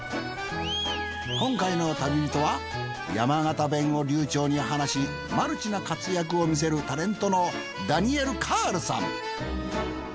今回の旅人は山形弁を流暢に話しマルチな活躍を見せるタレントのダニエル・カールさん。